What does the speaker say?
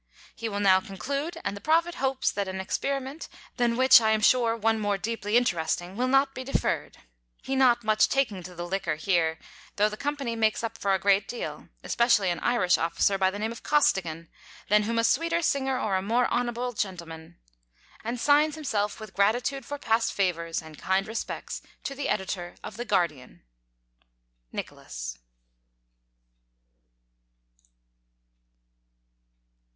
He will now conclude; and the Prophet hopes that an experiment, than which, I am sure, one more deeply interesting, will not be deferred; he not much taking to the liquor here, though the company makes up for a great deal, especially an Irish officer by the name of Costigan, than whom a sweeter singer or a more honourable gentleman; and signs himself, with gratitude for past favours, and kind respects to the Editor of the "Guardian," NICHOLAS.